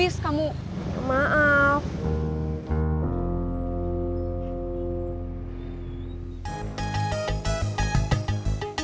saya perlu ikut kang